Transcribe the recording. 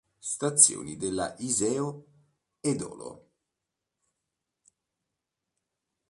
Stazioni della Iseo-Edolo